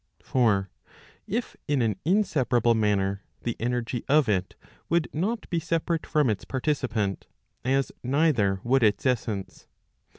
For if in an inseparable manner, the energy of it would not be separate from its participant, as neither would its essence.